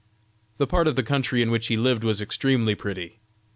The part of the country in which he lived was extremely pretty.